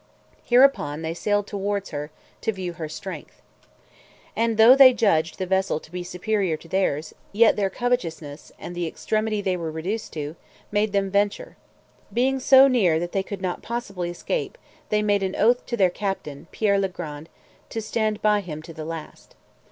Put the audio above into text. Hereupon, they sailed towards her, to view her strength. And though they judged the vessel to be superior to theirs, yet their covetousness, and the extremity they were reduced to, made them venture. Being come so near that they could not possibly escape, they made an oath to their captain, Pierre le Grand, to stand by him to the last.